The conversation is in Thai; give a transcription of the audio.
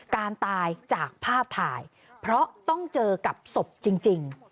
การตายจากภาพถ่ายเพราะต้องเจอกับศพจริง